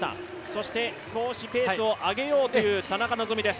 そして少しペースを上げようという田中希実です。